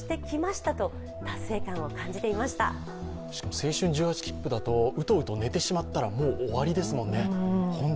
青春１８きっぷだとうとうと寝てしまったらもう終わりですもんね。